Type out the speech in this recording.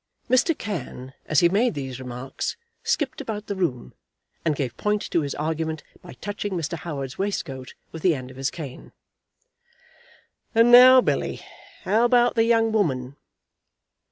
Mr. Cann, as he made these remarks, skipped about the room, and gave point to his argument by touching Mr. Howard's waistcoat with the end of his cane. "And now, Billy, how about the young woman?"